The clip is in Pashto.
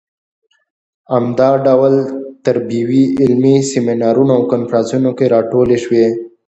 په عمده ډول تربیوي علمي سیمینارونو او کنفرانسونو کې راټولې شوې.